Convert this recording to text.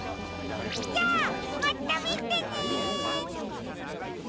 じゃあまたみてね！